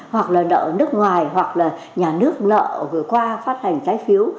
hoặc là nợ nước ngoài hoặc là nhà nước nợ vừa qua phát hành trái phiếu